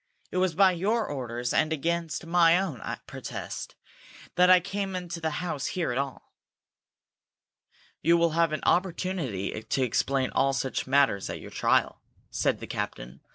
"It was by your orders, and against my own protest, that I came into the house here at all." "You will have an opportunity to explain all such matters at your trial," said the captain.